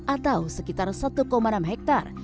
atau sekitar satu enam hektare